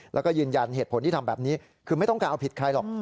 แล้วก็ยืนยันเหตุผลที่ทำแบบนี้คือไม่ต้องการเอาผิดใครหรอก